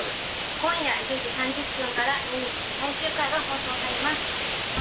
今夜１０時３０分からネメシス最終回が放送されます。